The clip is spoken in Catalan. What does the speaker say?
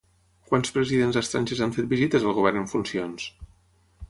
Quants presidents estrangers han fet visites al govern en funcions?